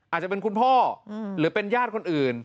อาจจะเป็นคุณพ่อหรือเป็นญาติคนอื่น